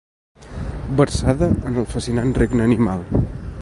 Versada en el fascinant regne animal.